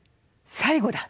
最後だ！